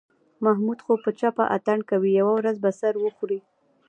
محمود خو په چپه اتڼ کوي، یوه ورځ به سر وخوري.